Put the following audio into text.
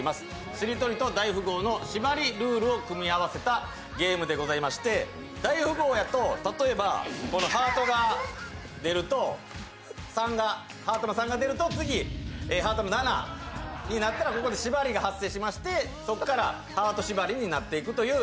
しりとりと大富豪のしばりルールを組み合わせたゲームでございまして大富豪やと、例えばハートが出るとハートの３が出ると次、ハートの７になったらここでしばりが発生しましてそこからハートしばりになっていくという